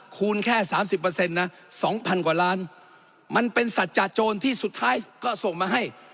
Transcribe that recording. คูณแค่๓๐นะ๒๐๐กว่าล้านมันเป็นสัจจะโจรที่สุดท้ายก็ส่งมาให้